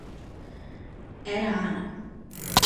Era a Ana.